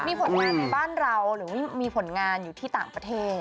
มีผลงานในบ้านเราหรือว่ามีผลงานอยู่ที่ต่างประเทศ